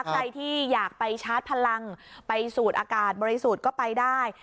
ใครที่อยากไปชาร์จพลังไปสูดอากาศบริสุทธิ์ก็ไปได้